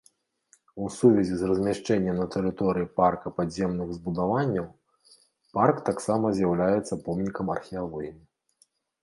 У сувязі з размяшчэннем на тэрыторыі парка падземных збудаванняў, парк таксама з'яўляецца помнікам археалогіі.